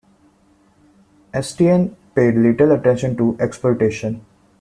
Estienne paid little attention to exploitation.